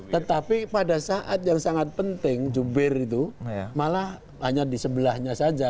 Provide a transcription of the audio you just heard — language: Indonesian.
tetapi pada saat yang sangat penting jubir itu malah hanya di sebelahnya saja